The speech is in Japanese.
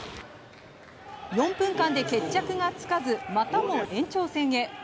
４分間で決着つかずまたも延長戦へ。